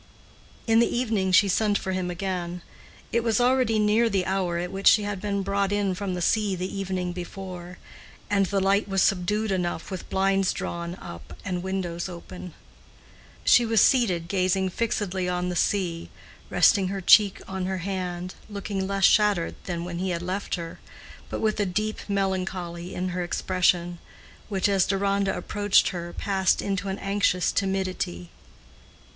In the evening she sent for him again. It was already near the hour at which she had been brought in from the sea the evening before, and the light was subdued enough with blinds drawn up and windows open. She was seated gazing fixedly on the sea, resting her cheek on her hand, looking less shattered than when he had left her, but with a deep melancholy in her expression which as Deronda approached her passed into an anxious timidity.